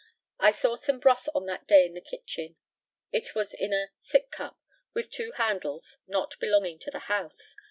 I saw some broth on that day in the kitchen. It was in a "sick cup," with two handles, not belonging to the house.